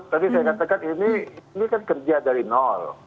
tadi saya katakan ini kan kerja dari nol